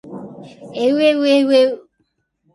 えうえうえう